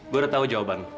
gua udah tau jawaban lu